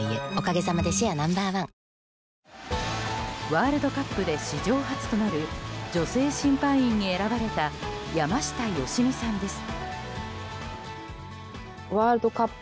ワールドカップで史上初となる女性審判員に選ばれた山下良美さんです。